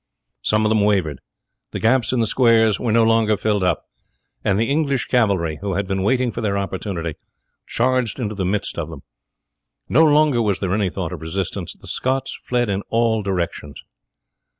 Some of them wavered. The gaps in the squares were no longer filled up, and the English cavalry, who had been waiting for their opportunity, charged into the midst of them. No longer was there any thought of resistance. The Scots fled in all directions.